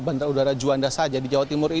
bandara udara juanda saja di jawa timur ini